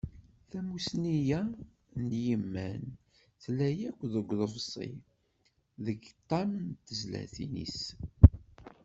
Tamussni-a n yiman, tella akk deg uḍebsi, deg ṭam n tezlatin-is.